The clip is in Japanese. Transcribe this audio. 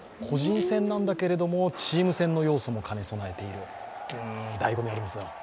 個人戦なんだけれども、チーム戦の要素も兼ね備えている、だいご味ありますね。